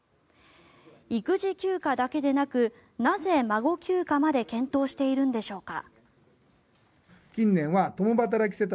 育児休暇だけでなくなぜ孫休暇まで検討しているのでしょうか。